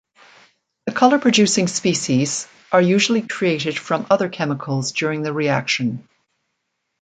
The color-producing species are usually created from other chemicals during the reaction.